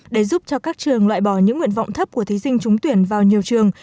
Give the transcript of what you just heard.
để giúp cho các trường loại bỏ những nguyện vọng thấp của thí sinh trúng tuyển vào nhiều trường